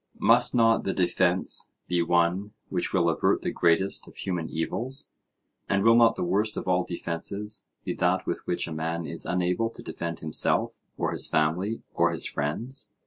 Must not the defence be one which will avert the greatest of human evils? And will not the worst of all defences be that with which a man is unable to defend himself or his family or his friends?